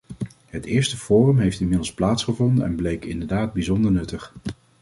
Het eerste forum heeft inmiddels plaatsgevonden en bleek inderdaad bijzonder nuttig.